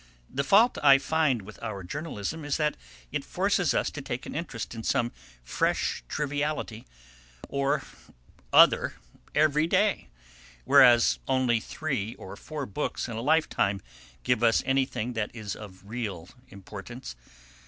"The fault I find with our journalism is that it forces us to take an interest in some fresh triviality or other every day, whereas only three or four books in a lifetime give us anything that is of real importance.